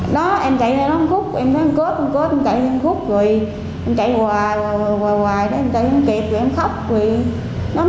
đó em chạy ra nó khúc em thấy cớt cớt cớt chạy ra cốc